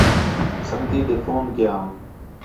سنڳتی ݙے فون کیام